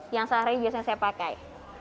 yang sehari biasanya saya pakai